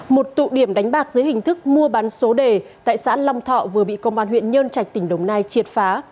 một tụ điểm đánh bạc dưới hình thức mua bán số đề tại xã long thọ vừa bị công an huyện nhơn trạch tỉnh đồng nai triệt phá